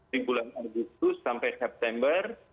di bulan agustus sampai september